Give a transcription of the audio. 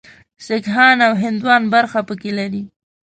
سیکهان او هندوان برخه پکې لري.